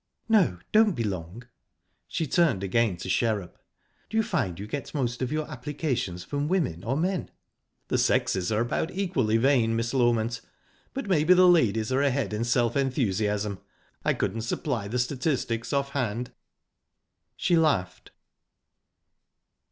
"No, don't be long." She turned again to Sherrup. "Do you find you get most of your applications from women or men?" "The sexes are about equally vain, Miss Loment; but maybe the ladies are ahead in self enthusiasm. I couldn't supply the statistics off hand." She laughed.